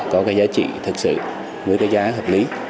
có cái giá trị thực sự với cái giá hợp lý